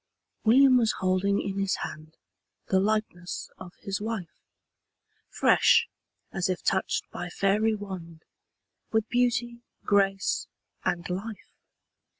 William was holding in his hand The likeness of his wife! Fresh, as if touched by fairy wand, With beauty, grace, and life.